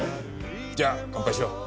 じゃあ乾杯しよう。